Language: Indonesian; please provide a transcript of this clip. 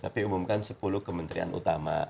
tapi umumkan sepuluh kementerian utama